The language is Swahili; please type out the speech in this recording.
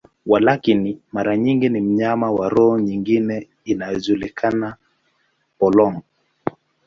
Walakini, mara nyingi ni mnyama wa roho nyingine inayojulikana, polong.